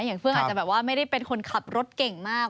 อย่างเฟื้องอาจจะไม่ได้เป็นคนขับรถเก่งมาก